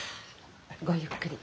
ごゆっくり。